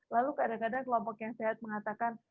lalu kadang kadang kelompok yang sehat mengatakan